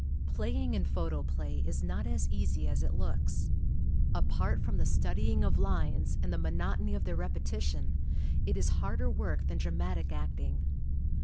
Playing in Photoplay is not as easy as it looks. Apart from the studying of lines and the monotony of their repetition, it is harder work than dramatic acting.